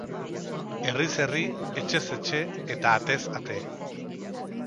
Herriz herri, etxez etxe eta atez ate.